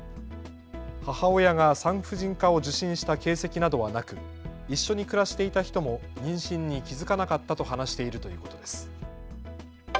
母親が産婦人科を受診した形跡などはなく一緒に暮らしていた人も妊娠に気付かなかったと話しているということです。